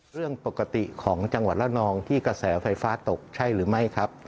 เรื่องปกติของจังหวัดละนองที่กระแสไฟฟ้าตกใช่หรือไม่ครับ